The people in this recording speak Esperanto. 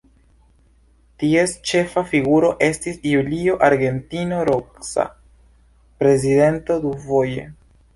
Ties ĉefa figuro estis Julio Argentino Roca, prezidento dufoje.